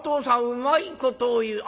うまいことを言う。